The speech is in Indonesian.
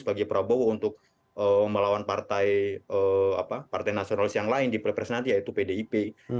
bagi prabowo untuk melawan partai nasionalis yang lain di pilpres nanti yaitu pdip